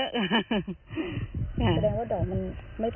แสดงว่าดอกมันไม่พอใช่ไหมครับ